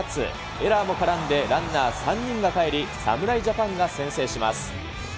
エラーも絡んでランナー３人がかえり、侍ジャパンが先制します。